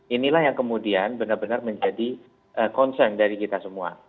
inilah yang kemudian benar benar menjadi concern dari kita semua